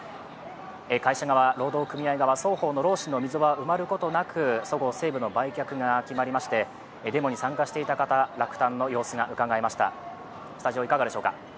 会社側、労働者側双方の溝は埋まることなく、そごう・西武の売却が決まりまして、デモに参加していた方、落胆の様子がうかがえました。